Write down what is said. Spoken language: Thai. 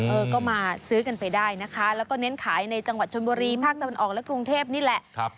เออก็มาซื้อกันไปได้นะคะแล้วก็เน้นขายในจังหวัดชนบุรีภาคตะวันออกและกรุงเทพนี่แหละ